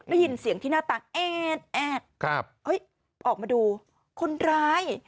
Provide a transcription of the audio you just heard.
ได้ยินเสียงที่หน้าต่างแอดแอดออกมาดูคนร้าย